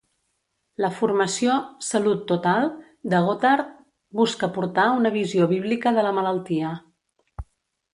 La formació "Salut total" de Gothard busca portar una visió bíblica de la malaltia.